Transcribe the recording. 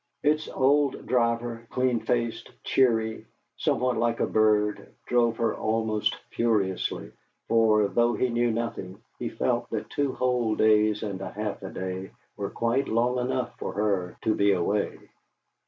Its old driver, clean faced, cheery, somewhat like a bird, drove her almost furiously, for, though he knew nothing, he felt that two whole days and half a day were quite long enough for her to be away.